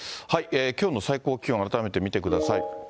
きょうの最高気温を改めて見てください。